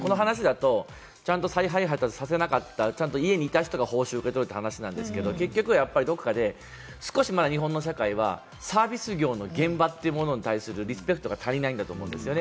この話だとちゃんと再配達させなかった、家にいた人が報酬を受け取る話なんですけれども、結局どこかで、少し日本の社会はサービス業の現場ってものに対するリスペクトが足りないんだと思うんです。